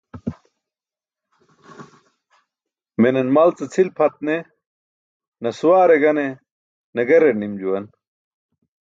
Menan mal ce cʰil pʰat ne nasawaare gane nagerar nim juwan.